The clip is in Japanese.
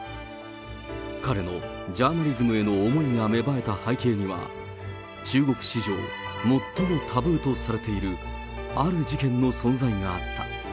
彼のジャーナリズムへの思いが芽生えた背景には、中国史上、最もタブーとされているある事件の存在があった。